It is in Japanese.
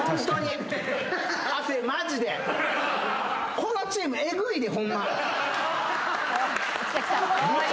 このチームえぐいでホンマ。